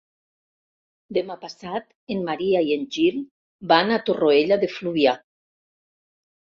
Demà passat en Maria i en Gil van a Torroella de Fluvià.